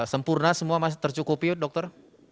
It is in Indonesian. sempurna semua masih tercukupi dokter